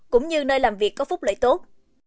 cũng như nơi làm việc có phúc lợi tốt